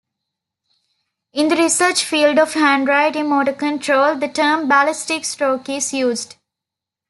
In the research field of handwriting motor control, the term ballistic stroke is used.